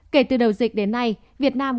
tình hình dịch covid một mươi chín tại việt nam